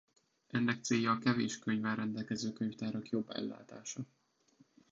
Ennek célja a kevés könyvvel rendelkező könyvtárak jobb ellátása.